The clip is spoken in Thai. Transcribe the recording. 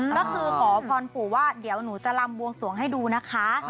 ก็คือขอพรปู่ว่าเดี๋ยวหนูจะลำบวงสวงให้ดูนะคะ